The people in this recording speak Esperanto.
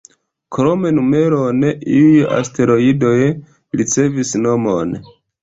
Krom numeron, iuj asteroidoj ricevis nomon.